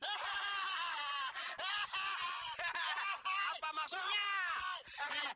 hahaha apa maksudnya